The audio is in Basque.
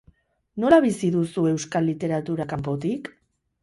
Nola bizi duzu euskal literatura kanpotik?